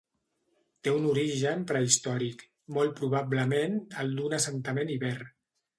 Té un origen prehistòric, molt probablement el d'un assentament iber.